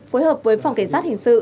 phối hợp với phòng cảnh sát hình sự